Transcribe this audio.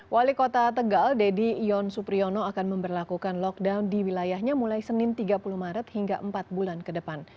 wali kota tegal deddy ion supriyono akan memperlakukan lockdown di wilayahnya mulai senin tiga puluh maret hingga empat bulan ke depan